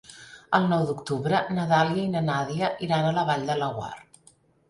El nou d'octubre na Dàlia i na Nàdia iran a la Vall de Laguar.